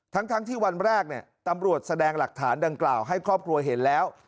ทั้งที่วันแรกตำรวจแสดงหลักฐานดังกล่าวให้ครอบครัวเห็นแล้ว